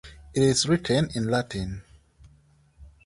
It is written in Latin.